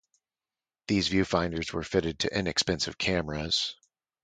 These viewfinders were fitted to inexpensive cameras.